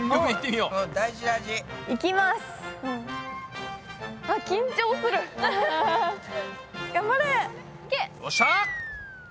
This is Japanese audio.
よっしゃ！